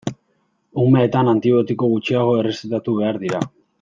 Umetan antibiotiko gutxiago errezetatu behar dira.